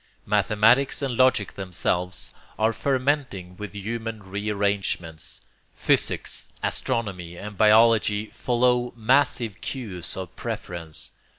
Mathematics and logic themselves are fermenting with human rearrangements; physics, astronomy and biology follow massive cues of preference.